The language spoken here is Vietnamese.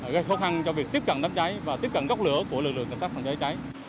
gây khó khăn cho việc tiếp cận đám cháy và tiếp cận gốc lửa của lực lượng cảnh sát phòng cháy cháy